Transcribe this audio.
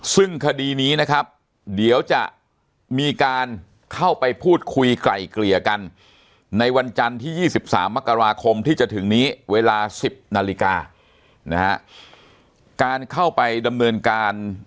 ซึ่งคดีนี้นะครับเดี๋ยวจะมีการเข้าไปพูดคุยไกลเกลี่ยกันในวันจันที่๒๓มกราคมที่จะถึงนี้เวลา๑๐นาฬิกานะฮะ